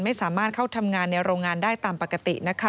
ไม่สามารถเข้าทำงานในโรงงานได้ตามปกติ